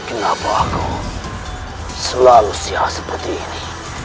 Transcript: kenapa kau selalu sia seperti ini